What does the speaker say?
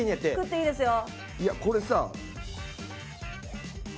いやこれさ。